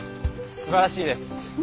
すばらしいです！